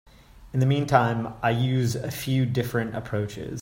In the meantime, I use a few different approaches.